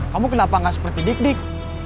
kamu kenapa gak seperti dik dik